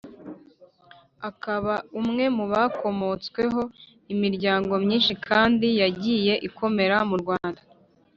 akaba umwe mu bakomotsweho imiryango myinshi kandi yagiye ikomera mu Rwanda.